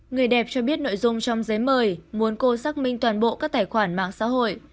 người đẹp cho biết nội dung trong giấy mời muốn cô xác minh toàn bộ các tài khoản mạng xã hội